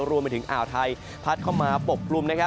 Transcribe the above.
รวมไปถึงอ่าวไทยพัดเข้ามาปกกลุ่ม